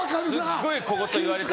すごい小言言われたり。